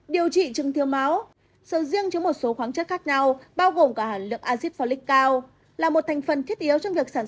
điều trị chứng thiếu máu